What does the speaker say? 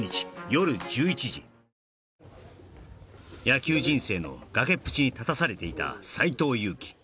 野球人生の崖っぷちに立たされていた斎藤佑樹